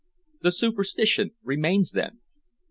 "The superstition remains then?"